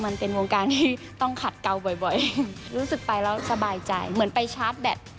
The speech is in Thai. มันเป็นวงการที่ต้องขัดเกาบ่อยรู้สึกไปแล้วสบายใจเหมือนไปชาร์จแบต